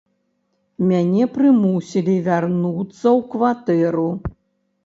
Мяне прымусілі вярнуцца ў кватэру.